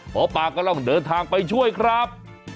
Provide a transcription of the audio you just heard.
หมอปลาก็ต้องเดินทางไปช่วยครับ